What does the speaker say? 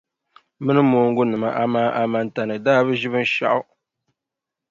Mini mooŋgunima amaa Amantani daa bi ʒi binshɛɣu.